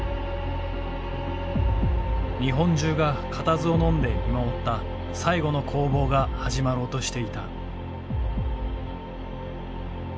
日本中が固唾をのんで見守った最後の攻防が始まろうとしていた。